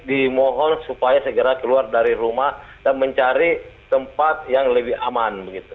dimohon supaya segera keluar dari rumah dan mencari tempat yang lebih aman